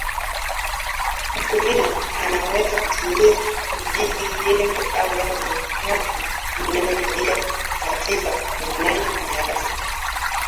mkulima anaweza kutumia vijiti jembe au rato kadri vinavyohitajika kaika uvunaji viazi